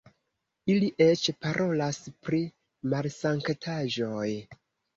Ili eĉ parolas pri malsanktaĵoj!